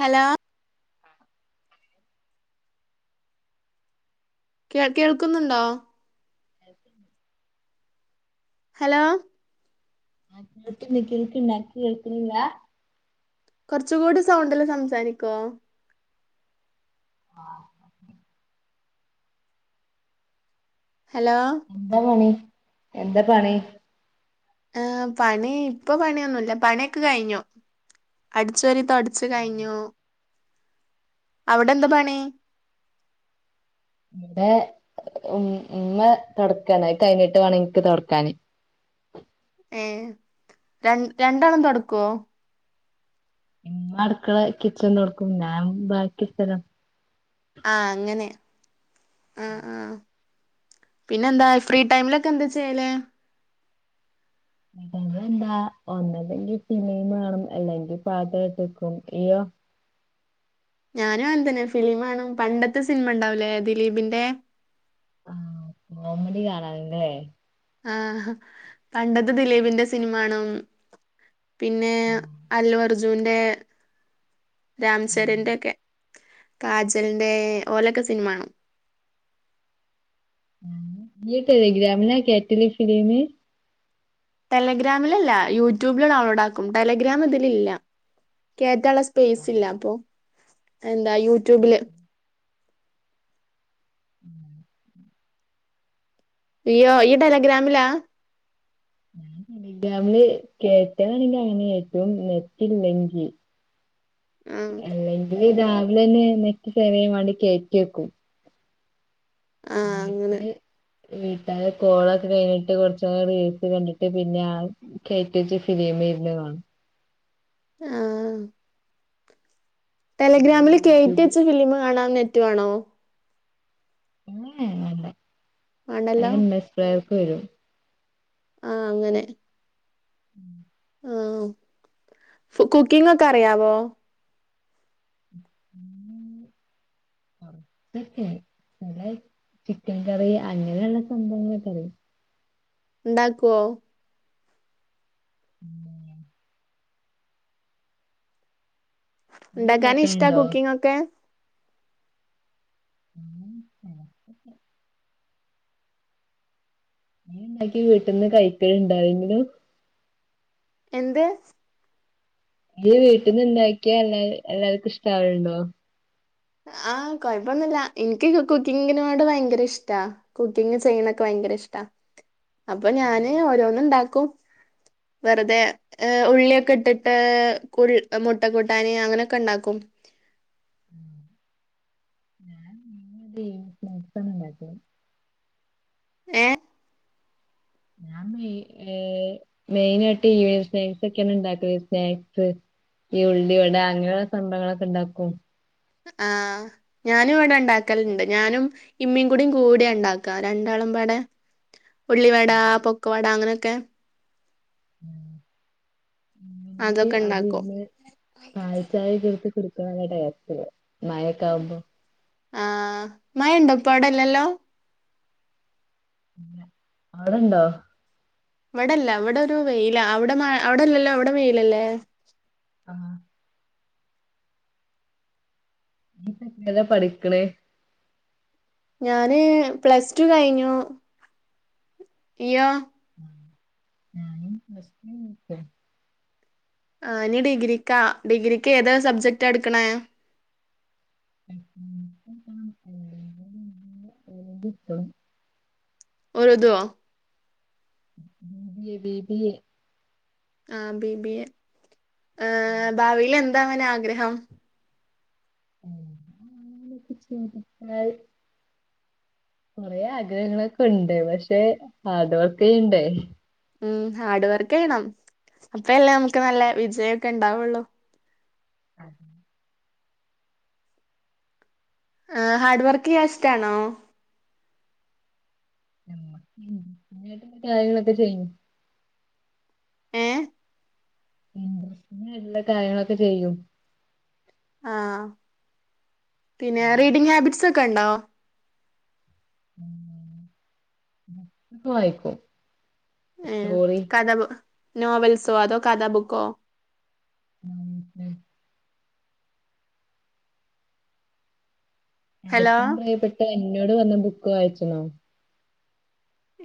Hello കേൾ കേൾക്കുന്നുണ്ടോ [inaudible] hello? ആ കേൾക്ക്ണ്ട് കേൾക്ണ്ട് അൻക്ക് കേൾക്ക്ണില്ലാ കൊറച്ച് കൂടി സൗണ്ടില് സംസാരിക്കോ ആഹ് ഹലോ എന്താ പണി എന്താ പണി ആ പണി ഇപ്പൊ പണിയൊന്നുല്ല പണിയൊക്കെ കയിഞ്ഞു അടിച്ചോരി തൊടച്ചു കയിഞ്ഞു അവിടെ എന്താ പണി ഇവിടെ ഉം ഉമ്മ തൊടക്കാണ് അത് കഴിഞ്ഞിട്ട് വേണം ഇന്ക്ക് തൊടക്കാന് ഏഹ് രൺ രണ്ടെണം തൊടക്കുവോ? ഇമ്മ അടുക്കള കിച്ചൺ തൊടയ്ക്കും ഞാൻ ബാക്കി സ്ഥലം ആ അങ്ങനെ ആ ആ പിന്നെന്താ ഫ്രീ ടൈമിലൊക്കെ എന്താ ചെയ്യല് അത് എന്താ ഒന്നല്ലെങ്കിൽ ഫിലിം കാണും അല്ലെങ്കിൽ പാട്ട് കേട്ട്‌ നിക്കും ഇയ്യോ ഞാനും അങ്ങനെതന്നെ ഫിലിം കാണും പണ്ടത്തെ സിനിമ ഉണ്ടാവുലേ ദിലീപിന്റെ ആ കോമഡി കാണാനല്ലേ ആ പണ്ടത്തെ ദിലീപിന്റെ സിനിമ കാണും പിന്നെ ആഹ് അല്ലുഅർജുനന്റെ ആഹ് രാംചരന്റെ ഒക്കെ കാജലിന്റെ ഓലക്കെ സിനിമ കാണും ഇയ്യ് ടെലിഗ്രാമിലാ കേറ്റണെ ഫിലീമ് ടെലഗ്രാമിലല്ല യൂട്യൂബില് ഡൗൺലോഡ് ആക്കും ടെലഗ്രാം ഇതില് ഇല്ല കേറ്റാനുള്ള സ്ഥ- ആഹ് സ്പേയ്സില്ല അപ്പൊ എന്താ യൂട്യൂബില് ആഹ് ഈയ്യി ഈയ് ഗ്രാലിഗ്രാമിലാ ഞാൻ ടെലിഗ്രാമില് കേറ്റാനാണെങ്കിൽ അങ്ങനെ കേറ്റു നെറ്റില്ലെങ്കിൽ ആഹ് അല്ലങ്കി രാവിലെ തന്നെ എഴുന്നേറ്റ് ചെറിയ വാണ്ടി കേറ്റി വെക്കും ആഹ് അങ്ങനെ [unintelligible] വീട്ടാരെ കോളൊക്കെ കഴിഞ്ഞിട്ട് കുറച്ചു റില്സ് കണ്ടിട്ട് പിന്നെ കയറ്റ വെച്ച ഫിലിം സീരിയലുകാണും ആ അല്ലെങ്കി ടെലഗ്രാമില് കയറ്റി യൂട്യൂബില് വെച്ച ഫിലിമ് കാണാൻ നെറ്റു വേണോ ഏ വേണ്ട അത് വേണ്ടല്ലോ എം എസ് പ്ലയർക്ക് വരും ആ അങ്ങനെ ആ കുക്കിംങ്ങ് ഒക്കെ അറിയാവോ ആ മറ്റെ നല്ല ചിക്കൻ കറി അങ്ങനെയള്ള സംഭവങ്ങളെക്കെയറിയാം ഉണ്ടാക്കുവോ ഉം, നീ ഉണ്ടാക്കാൻ ഇഷ്ടാ ഇണ്ടാക്കലുണ്ടോ കുക്കിംങ്ങ് ഒക്കെ നീ ഉണ്ടാക്കി വീട്ടിനിന്ന് കഴിക്കലുണ്ടോ ആരെങ്കിലും എന്ത് വീട്ടിനിന്ന് ഉണ്ടാക്കിയാ എല്ലാ എല്ലാർക്കും ഇഷ്ടാവലുണ്ടോ ആ കൊഴപ്പൊന്നുമില്ല എനിക്ക് കുക്കിങ്ങിനോട് ഭയങ്കര ഇഷ്ട കുക്കിങ് ചെയ്യണൊക്കെ ഭയങ്കര ഇഷ്ടാ അപ്പൊ ഞാന് ഓരോന്നും ഇണ്ടാക്കും വെറുതെ ഉള്ളിയൊക്കെ ഇട്ടിട്ട് മുട്ട കൂട്ടാൻ അങ്ങനെയൊക്കെ ഉണ്ടാക്കും [inaudible] ഏ ഞാൻ മെയി മെയിനായിട്ട് ഈവനിങ് സ്നാക്സൊക്കെയാണ് ഇണ്ടാക്കല് സ്നാക്സ് ഈ ഉള്ളി വട അങ്ങനെള്ള സ്നാക്സൊക്കെ ണ്ടാക്കും ആ ഞാനും ഇവിടെ ണ്ടാക്കല്ണ്ട് ഞാനും ഇമ്മിം കൂടെ കൂട്യണ്ടാക്കാ രണ്ടാ മ്പാടെ ഉള്ളി വട, പൊക്കവട അങ്ങനെക്കെ അങ്ങനെ അതൊക്കെ അതി ഇണ്ടാക്കും ഇന്ന് പാൽചായക്കെ എടുത്ത് കുടിക്കണത് നല്ല ടേസ്റ്റല്ലേ മയക്കാവുമ്പോ ആ മയണ്ടോ ഇപ്പ അവടെ ഇല്ലല്ലോ അവിടെണ്ടോ? ഇവടെല്ല ഇവിടെ ഒരു വെയിലാ അവടെ മ അവിടെല്ലല്ലോ അവടെ വെയിലല്ലേ. ആ എത്രേ ല പഠിക്ക്ണ്. ഞാന് പ്ലസ് ടു കയ്ഞ്ഞു. ഇയ്യോ. ഞാനും പ്ലസ് ടു കഴിഞ്ഞ് നിക്ക. ആ ഇനി ഡിഗ്രിക്കാ ഡിഗ്രിക്ക് ഏതാ സബ്ജക്റ്റാട്ക്ക്ണേ. എക്കണോമിക്സ് എടുക്കണം അല്ലെങ്കിൽ പിന്നെ ഏതെങ്കിലും എടുക്കണം. ഉറുതോ B B A, B B A. ആ ബിബിയെ ഏ എ ഭാവിൽ എന്താ ആവനാ ആഗ്രഹം. അങ്ങനൊക്കെ ചിന്തിച്ചാൽ കുറേ ആഗ്രഹങ്ങളൊക്കെ ഉണ്ട് പക്ഷേ ഹാർട് വർക്ക് ചെയ്യണ്ടേ. ഉം ഹാർഡ് വർക്ക് ചെയ്യണം അപ്പല്ലേ നമുക്ക് നല്ല വിജയൊക്കെണ്ടാവുള്ളു. അത് ആ ഹാർഡ് വർക്കെയ്യാൻ ഇഷ്ട്ടാണോ [unintelligible] അയിനായിട്ടുള്ള കാര്യങ്ങളൊക്കെ ചെയ്യും. ഏ ഇൻട്രസ്റ്റിംഗ്ന്ള്ള കാര്യങ്ങളൊക്കെ ചെയ്യും. ആ പിന്നെ റീഡിങ്ങ് ഹാബിറ്റ്സൊക്കെ ണ്ടോ? ബുക്ക്‌ വായിക്കും ഏ സ്റ്റോറി കഥ നോവൽസോ അതോ കഥബുക്കോ നോവൽസ്. ഹലോ ഏറ്റവും പ്രിയപ്പെട്ട എന്നോട് വന്ന ബുക്ക് വായിച്ച്ണോ?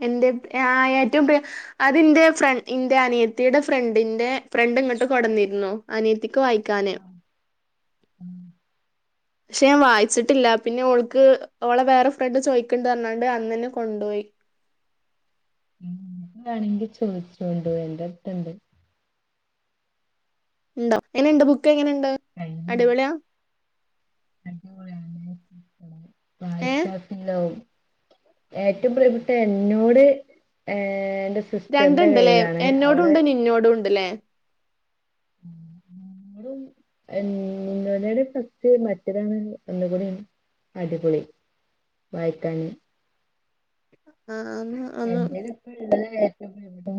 എന്റെ ആ ഏറ്റവും പ്രിയ അത് ന്റെ ഫ്ര ഇന്റെ അനിയത്തിടെ ഫ്രണ്ടിന്റെ ഫ്രണ്ട് ണ്ടിങ്ങട്ട് കൊട്ന്നിരുന്നു അനിയത്തിക്ക് വായിക്കാന് ഉം ക്ഷെ ഞാൻ വായിച്ചിട്ടില്ല പിന്നെ ഓൾക്ക് ഓളെ വേറെ ഫ്രണ്ട് ചോയിക്ക്ണ്ട് പറഞ്ഞാണ്ട് അന്നെന്നെ കൊണ്ടോയി. ഉം വേണെങ്കിൽ ചോദിച്ചോണ്ടു എന്റെട്ത്ത്‌ണ്ട്. ണ്ടോ എങ്ങനെണ്ട് ബുക്ക് എങ്ങനെണ്ട് കയ്യിലുണ്ട് അടിപൊളിയാ. ഏ വായ്ച്ചാ [unintelligible] ല്ലാവും. ഏറ്റവും പ്രിയപ്പെട്ട എന്നോട് ഏ എന്റെ സിസ്റ്ററിന്റെ രണ്ടുണ്ടല്ലേ കയ്യിലാണ് അവള് എന്നോടുണ്ട് നിന്നോടുണ്ടല്ലേ ഉം എ നോയുടെ ഫസ്റ്റ് മറ്റതാണ് ഒന്നുകൂടി അടിപൊളി. വായിക്കാന്. ആ ഒന്ന് ഒന്ന് എന്റേൽ ഇപ്പള്ളത് ഇവിടെ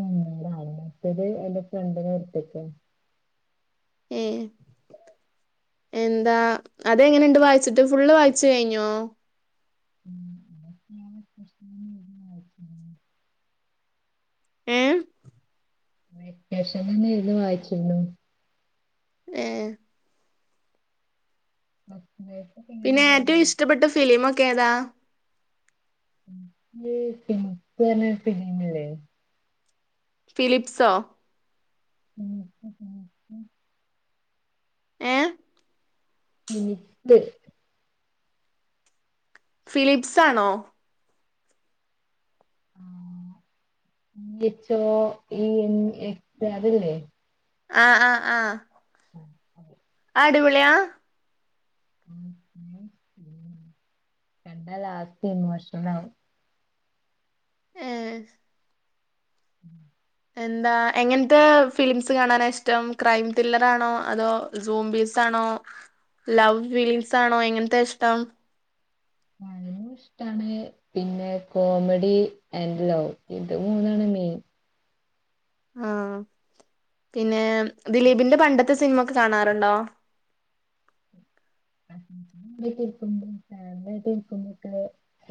മറ്റത് എന്റെ ഫ്രണ്ടിന് കൊടുത്തേക്കാ. ഏ എന്താ അത് എങ്ങനെയുണ്ട് വായിച്ചിട്ട് ഫുള്ള് വായിച്ച് കഴിഞ്ഞോ? ഉം അതൊക്കെ വെക്കേഷൻ തന്നെ വായിച്ചിരുന്നു. ഏ വെക്കേഷനിൽ തന്നെ വായിച്ചിരുന്നു. ഏ ആ പിന്നെ ഏറ്റവും ഇഷ്ടപ്പെട്ട ഫിലീമൊക്കെ ഏതാ? [unintelligible] ഫിലീമില്ലേ? ഫിലിപ്സോ? [inaudible] ഏ [unintelligible] ഫിലിപ്സാണോ? [unintelligible] അതല്ലേ അ അ അ ആ അടിപൊള്യാ? ണ്ടാ ലാസ്റ്റ് ഇമോഷ്ണലാവും ഏ [inaudible] എന്താ എങ്ങൻത്തെ ഫിലിമ്സ് കാണാന ഇഷ്ടം ക്രൈം തില്ലറാണോ അതോ ജൂംബീസാൺ ണോ ലൗ ഫിലിമ്സാണോ എങ്ങൻത്താ ഇഷ്ടം? ഞാനും [inaudible] ഇഷ്ടാണ് പിന്നെ കോമഡി ആൻഡ് ലൗ ഇത് മൂന്നാണ് മെയ്ൻ ആ പിന്നെ ദിലീപിന്റെ പണ്ടത്തെ സിൻമൊക്കെ കാണാറുണ്ടോ? [inaudible] [unintelligible] ഒക്കെ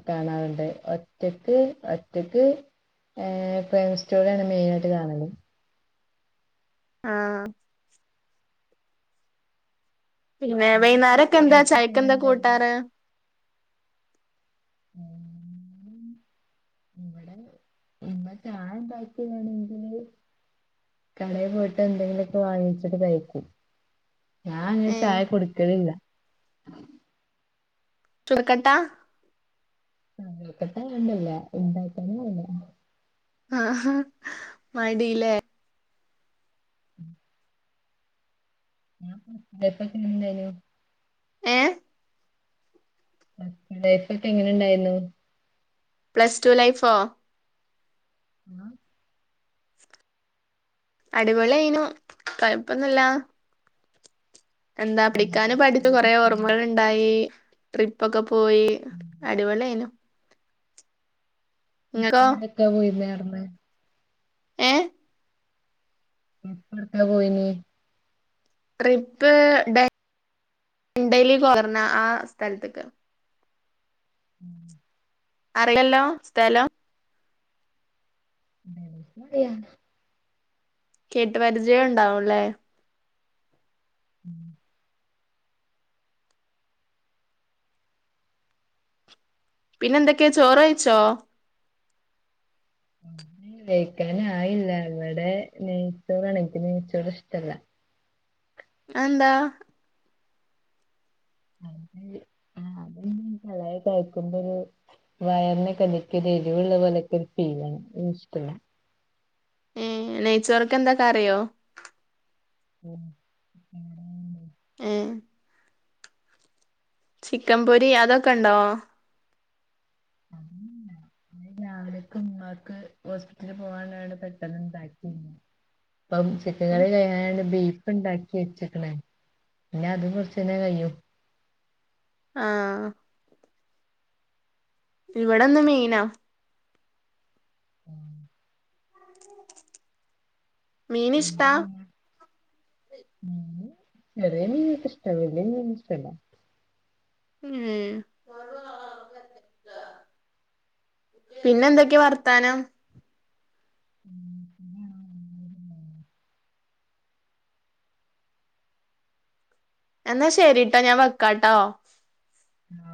കാണാറ്ണ്ട് ഒറ്റക്ക് ഒറ്റയ്ക്ക്, ഏ ഫ്രൈം സ്റ്റോറ്യാണ് മെയ്നായ്ട്ട് കാണൽ. ആ ന്നെ ഞാൻ ഫസ്റ്റ് വൈന്നാരൊക്കെന്താ ലൈഫൊക്കെ എങ്ങനെ ചായക്കെന്താ കൂട്ടാറ് ഉണ്ടായിരുന്നു [inaudible] ന്ന ഞാൻ ടൈപയ്യാണെങ്കില് കടെ പോയ്ട്ട് എന്തെങ്കിലൊക്കെ വാങ്ങിച്ചിട്ട് കഴിക്കും ഞാ അങ്ങന് ഏഹ് ചായ കുടിക്കലില്ല. [unintelligible] [unintelligible] ആഹ മടി ലെ [inaudible] [unintelligible] ഏ ലൈഫ് ഒക്കെ എങ്ങനെ ണ്ടായ്ന്നു പ്ലസ് ടു ലൈഫോ? ആ അടിപൊളിയ്ന്നു തഴപ്പൊന്നല്ല എന്താ [unintelligible] എക്സാം കൊറെ ഒക്കെ ഓർമ്മകള്ണ്ടായി ട്രിപ്പൊക്കെ പ് പോയി അടിപൊളിയെയ്ന്നു. ഇങ്ങക്കോ [unintelligible] വിട്ക്കാ പോയീന്ന്ന്നർഞ്ഞ്. ഏഹ് പ്പ് ട്ക്കാ പോയീനി? ട്രിപ്പ് ടെൻ ഡലി ർഞ്ഞ ആ സ്ഥൽത്ത്ക്ക് മ്. അർലല്ലോ സ്ഥലം? [inaudible] കേട്ട് പരിചയൊണ്ടാവും ലെ മ്. പിന്നെന്തൊക്കെ ചോറയ്ച്ചോ? [inaudible] കയിക്കാനായില്ല ഇവിടെ നെയ്ച്ചോറാണെ നിക്ക് നെയ്ച്ചോറിഷ്ടല്ല അ എന്താ മ് കളയ കഴിക്കുമ്പോരൂ വയറിന കലക്ക് എരിവുള്ള പോലെക്കെ ഫീലാണ്അതിഷ്ടല്ല ഏ നെയ്ചോറിക്കെന്താ കറിയോ ഉം ഏഹ് ചിക്കൻ പൊരി അതൊക്കെ ഉണ്ടോ രാവിലക്ക് ഉമ്മാക്ക് ഹോസ്പിറ്റലില് പോകാനിവിടെ പെട്ടെന്ന്ണ്ടാക്കും ഇപ്പം ചിക്കക്കറി കഴാന ബീ പ്പ ഇണ്ടാക്കി വെച്ചക്കണ് പിന്നെ അത് കുറചൈനാ കയ്യും ആഹ് ഇവിടെ ന്ന് മീനാ ഉം മീനിഷ്ടാ എന്താ ചെയ്യാ ചെറിയെ മീനോക്കെഷ്ടാ വല്ല്യേ മീനിഷ്ടല്ല ഉം പിന്നെ എന്തൊക്കെയാ വർത്താനം ഉം പിന്നെ എന്നാ ശരിട്ടോ ഞാൻ വെക്കാട്ടോ ആ